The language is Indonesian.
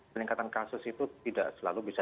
peningkatan kasus itu tidak selalu bisa